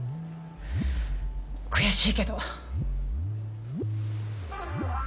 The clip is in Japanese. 悔しいけど。